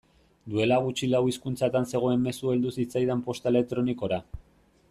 Duela gutxi lau hizkuntzatan zegoen mezua heldu zitzaidan posta elektronikora.